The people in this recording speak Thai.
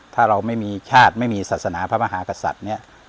ถ้าเราไม่มีชาติไม่มีศาสนาพระมหากษัตริย์เนี่ย